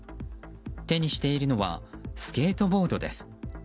手にしているのはスケートボードです。